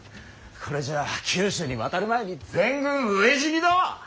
これじゃあ九州に渡る前に全軍飢え死にだ！